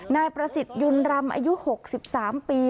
นายประสิทธิ์ยุนรำอายุ๖๓ปี